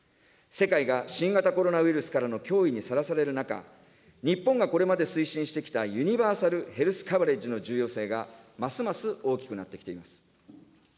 世界が新型コロナウイルスからの脅威にさらされる中、日本がこれまで推進してきたユニバーサル・ヘルス・カバレッジの重要性がますます大きくなってきています。